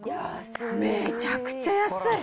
めちゃくちゃ安い！